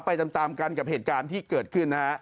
ไปตามกันกับเหตุการณ์ที่เกิดขึ้นนะฮะ